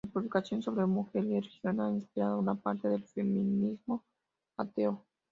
Su publicación sobre mujer y religión ha inspirado a una parte del feminismo ateo.